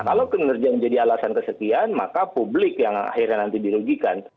kalau kinerja menjadi alasan kesekian maka publik yang akhirnya nanti dirugikan